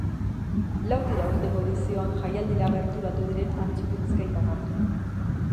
Lau dira aurtengo edizioan jaialdira gerturatu diren antzoki bizkaitarrak.